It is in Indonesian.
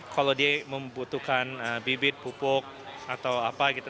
kalau dia membutuhkan bibit pupuk atau apa gitu